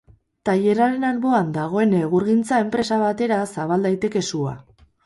Tailerraren alboan dagoen egurgintza enpresa batera zabal daiteke sua.